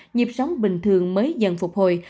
nhịp sống bình thường mới dần phục hồi